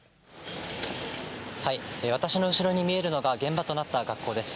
私の後ろに見えるのが、現場となった学校です。